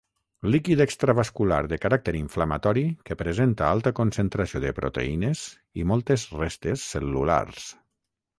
Líquid extravascular de caràcter inflamatori que presenta alta concentració de proteïnes i moltes restes cel·lulars.